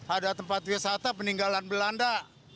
ada tempat wisata peninggalan belanda